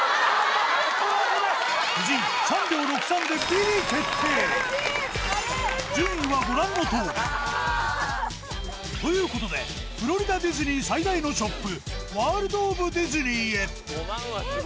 夫人３秒６３で順位はご覧のとおりということでフロリダディズニー最大のショップ